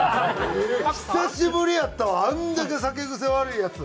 久しぶりやったわあんだけ酒癖悪いヤツ。